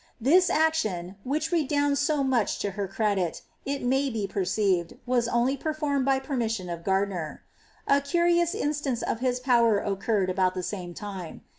This action, which redounds so much to her credit, it may be perceived, was only performed by permission of Gar diner. A curious instance of his power occurred about the same time.